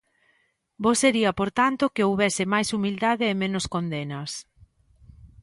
Bo sería por tanto que houbese máis humildade e menos condenas.